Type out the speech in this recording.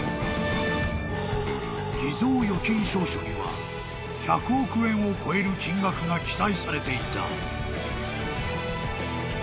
［偽造預金証書には１００億円を超える金額が記載されていた］